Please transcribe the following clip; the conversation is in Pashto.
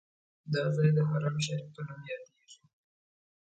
دا ځای د حرم شریف په نوم هم یادیږي.